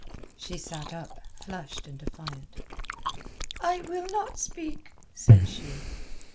She sat up, flushed and defiant. "I will not speak," said she.